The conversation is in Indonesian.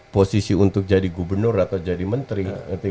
posisi untuk jadi gubernur atau jadi menteri